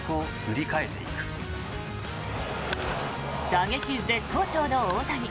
打撃絶好調の大谷。